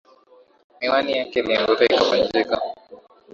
Miwani yake ilianguka ikavunjika.